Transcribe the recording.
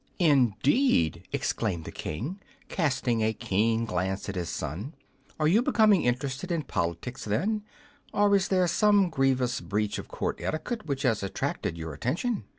"Indeed!" exclaimed the King, casting a keen glance at his son. "Are you becoming interested in politics, then; or is there some grievous breach of court etiquette which has attracted your attention?"